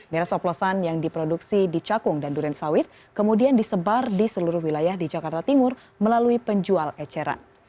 miras oplosan yang diproduksi di cakung dan duren sawit kemudian disebar di seluruh wilayah di jakarta timur melalui penjual eceran